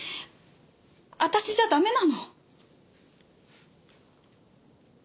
私じゃダメなの？